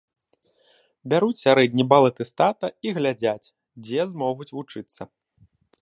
Бяруць сярэдні бал атэстата і глядзяць, дзе змогуць вучыцца.